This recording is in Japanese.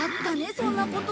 そんなこと。